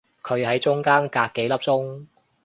佢係中間隔幾粒鐘